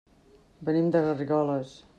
Venim de Garrigoles.